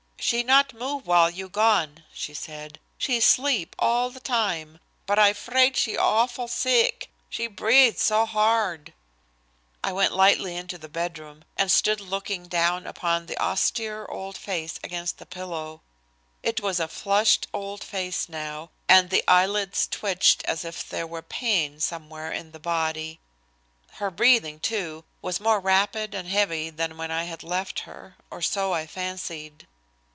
"She not move while you gone," she said. "She sleep all time, but I 'fraid she awful seeck, she breathe so hard." I went lightly into the bedroom and stood looking down upon the austere old face against the pillow. It was a flushed old face now, and the eyelids twitched as if there were pain somewhere in the body. Her breathing, too, was more rapid and heavy than when I had left her, or so I fancied.